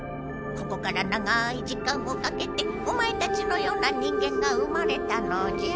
ここから長い時間をかけてオマエたちのような人間が生まれたのじゃ。